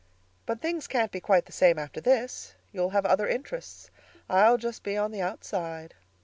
But things can't be quite the same after this. You'll have other interests. I'll just be on the outside.